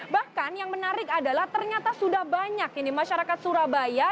bahkan yang menarik adalah ternyata sudah banyak ini masyarakat surabaya